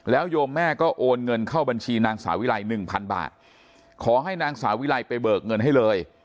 โยมแม่ก็โอนเงินเข้าบัญชีนางสาวิไลหนึ่งพันบาทขอให้นางสาวิไลไปเบิกเงินให้เลย